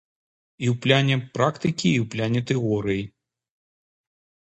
І ў плане практыкі, і ў плане тэорыі.